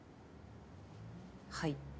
はい。